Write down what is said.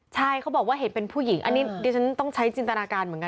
ใช่เขาบอกว่าเห็นเป็นผู้หญิงอันนี้ดิฉันต้องใช้จินตนาการเหมือนกัน